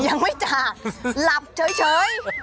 ยังไม่จากหลับเฉย